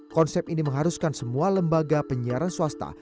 konsep ini mengharuskan semua lembaga penyiaran swasta